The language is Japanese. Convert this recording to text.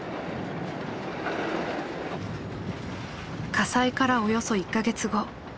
火災からおよそ１か月後。